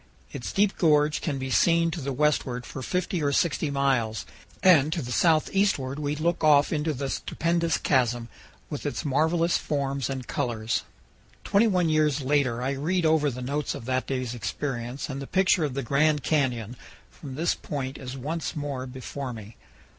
Its deep gorge can be seen to the westward for 50 or 60 miles, and to the southeastward we look off into the stupendous chasm, with its marvelous forms and colors. Twenty one years later I read over the notes of that day's experience and the picture of the Grand Canyon from this point is once more before me.